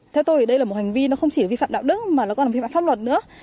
theo tôi thì đây là một hành vi nó không chỉ vi phạm đạo đức mà nó còn là vi phạm pháp luật nữa